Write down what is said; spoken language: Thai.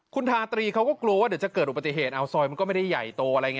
คุณทาตรีเขาก็กลัวว่าเดี๋ยวจะเกิดอุบัติเหตุเอาซอยมันก็ไม่ได้ใหญ่โตอะไรอย่างนี้